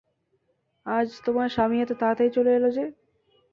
আজ তোমার স্বামী এত তাড়াতাড়ি চলে এলো যে?